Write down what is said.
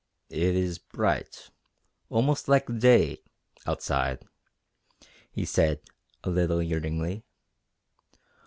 "It is bright almost like day outside," he said a little yearningly.